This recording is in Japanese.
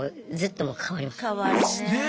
変わるね。ね。